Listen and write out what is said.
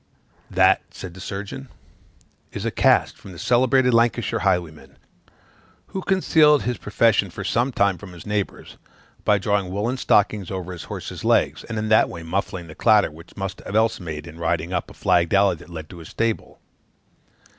"That," said the surgeon, "is a cast from the celebrated Lancashire highwayman, who concealed his profession for some time from his neighbors, by drawing woollen stockings over his horse's legs, and in that way muffling the clatter which he must else have made in riding up a flagged alley that led to his stable.